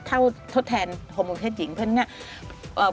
ถ้าว่าทดแทนฮอร์โมนเทศหญิงเพราะฉะนั้น